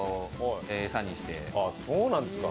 あっそうなんですか。